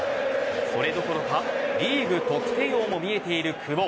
それどころかリーグ得点王も見えている久保。